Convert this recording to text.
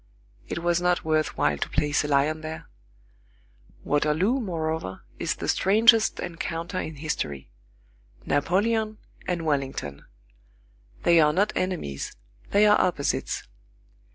It was not worthwhile to place a lion there. Waterloo, moreover, is the strangest encounter in history. Napoleon and Wellington. They are not enemies; they are opposites.